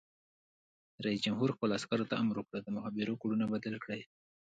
رئیس جمهور خپلو عسکرو ته امر وکړ؛ د مخابرو کوډونه بدل کړئ!